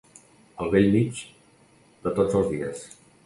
Al bell mig de tots els dies.